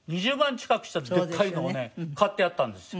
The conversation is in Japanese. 近くしたでっかいのをね買ってやったんですよ。